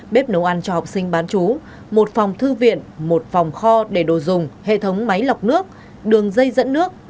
bếp nấu ăn cho học sinh bán chú một phòng thư viện một phòng kho để đồ dùng hệ thống máy lọc nước đường dây dẫn nước